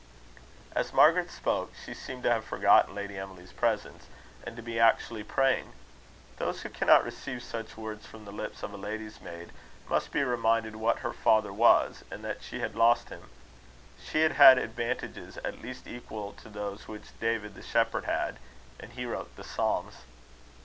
'" As Margaret spoke, she seemed to have forgotten Lady Emily's presence, and to be actually praying. Those who cannot receive such words from the lips of a lady's maid, must be reminded what her father was, and that she had lost him. She had had advantages at least equal to those which David the Shepherd had and he wrote the Psalms.